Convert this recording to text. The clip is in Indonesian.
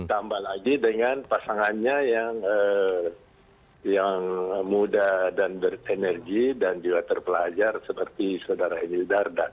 ditambah lagi dengan pasangannya yang muda dan bertenergi dan juga terpelajar seperti saudara emil dardak